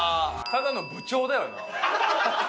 ただの部長だよな。